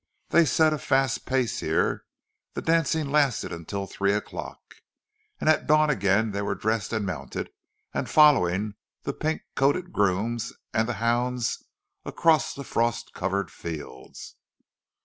They set a fast pace here—the dancing lasted until three o'clock, and at dawn again they were dressed and mounted, and following the pink coated grooms and the hounds across the frost covered fields.